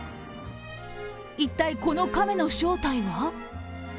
一体、この亀の正体は？